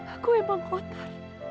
aku emang kotor